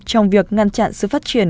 trong việc ngăn chặn sự phát triển